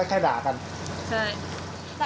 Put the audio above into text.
ใช่แต่เป็นบางครั้งนะ